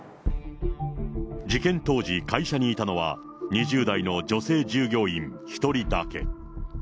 事件当時、会社にいたのは２０代の女性従業員１人だけ。